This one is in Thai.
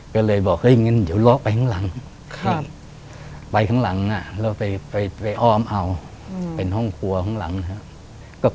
ก็เลยบอกเฮ้ยงั้นเดี๋ยวเลาะไปข้างหลังไปข้างหลังแล้วไปอ้อมเอาเป็นห้องครัวข้างหลังนะครับ